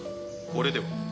これでは？